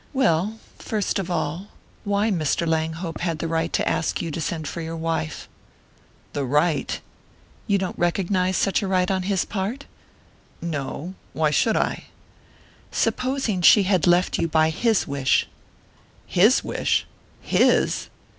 "Well first of all, why Mr. Langhope had the right to ask you to send for your wife." "The right?" "You don't recognize such a right on his part?" "No why should I?" "Supposing she had left you by his wish?" "His wish? _His